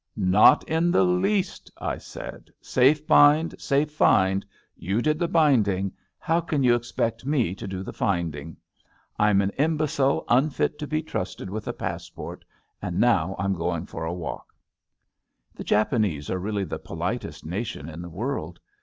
'' Not in the least," I said. ''' Safe bind, safe find.' You did the binding. How can you ex pect me to do the finding? I'm an imbecile unfit to be trusted with a passport, and now I'm going for a walk. '' The Japanese are really the politest nation in the world.